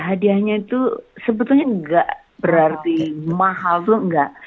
hadiahnya itu sebetulnya tidak berarti mahal belum tidak